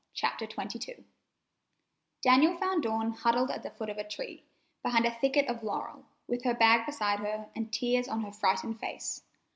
CHAPTER XXII Daniel found Dawn huddled at the foot of a tree, behind a thicket of laurel, with her bag beside her, and tears on her frightened face.